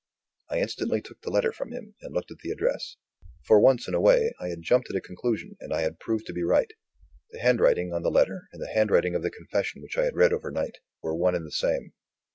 I instantly took the letter from him, and looked at the address. For once in a way, I had jumped at a conclusion and I had proved to be right. The handwriting on the letter, and the handwriting of the confession which I had read overnight, were one and the same.